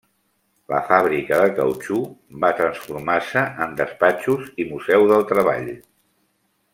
La fàbrica de cautxú va transformar-se en despatxos i Museu del Treball.